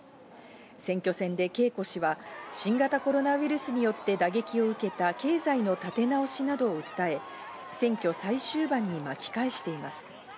選挙戦でケイコ氏は新型コロナウイルスによって打撃を受けた経済の立て直しなどを訴え、選挙最終盤に巻き返しています。